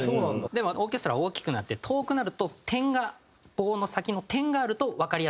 でもオーケストラ大きくなって遠くなると点が棒の先の点があるとわかりやすいから。